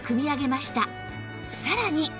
さらに